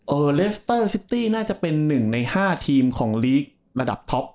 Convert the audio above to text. เออเรสเตอร์ซิตี้น่าจะเป็นหนึ่งในห้าทีมของลีกระดับท็อป